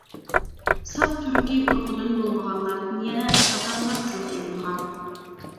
ساپ تۈركىي ئۇرۇقىدىن بولمىغانلاردىن يەنە تاتارلار تىلغا ئېلىنغان.